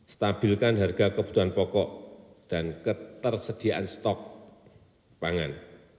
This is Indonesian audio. stabilkan harga kebutuhan pokok dan ketersediaan stok pangan